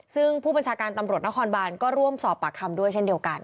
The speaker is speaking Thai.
ซึ่งผู้บัญชาการตำรวจนครบานก็ร่วมสอบปากคำด้วยเช่นเดียวกัน